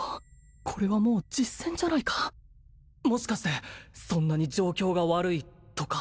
これはもう実戦じゃないかもしかしてそんなに状況が悪いとか？